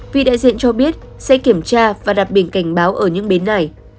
vì đại diện cho biết sẽ kiểm tra và đặt biển cảnh báo ở những bến này